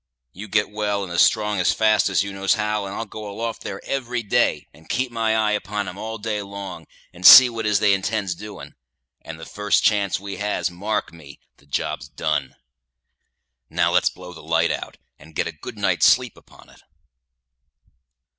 You get well and strong as fast as you knows how, and I'll go aloft there every day, and keep my eye upon 'em all day long, and see what 'tis they intends doing; and the first chance we has, mark me, the job's done. Now, let's blow the light out, and get a good night's sleep upon it."